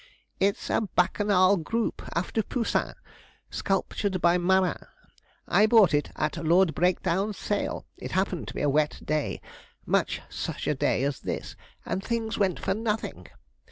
'It's a Bacchanal group, after Poussin, sculptured by Marin. I bought it at Lord Breakdown's sale; it happened to be a wet day much such a day as this and things went for nothing.